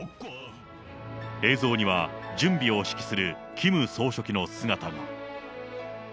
映像には、準備を指揮するキム総書記の姿が。